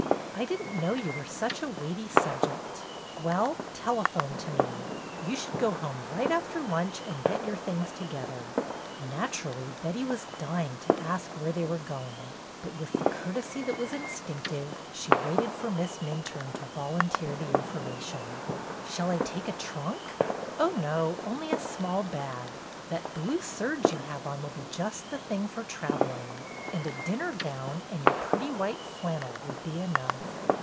" I did n't know you were such a weighty subject. Well, telephone to me. You should go home right after luncheon and get your things together." Naturally, Betty was dying to ask where they were going, but with the courtesy that JUST AS LOIS HAD SAID 91 was instinctive she waited for Miss Minturne to volunteer the information. "Shall I take a trunk?" "Oh, no; only a small bag. That blue serge you have on will be just the thing for travelling, and a little dinner gown and your pretty white flannel will be enough."